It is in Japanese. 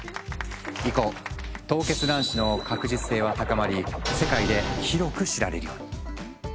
以降凍結卵子の確実性は高まり世界で広く知られるように。